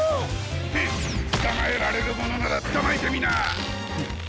ヘッつかまえられるものならつかまえてみな！